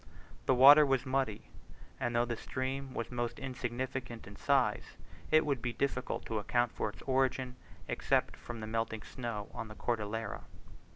The water was muddy, and though the stream was most insignificant in size, it would be difficult to account for its origin, except from the melting snow on the Cordillera.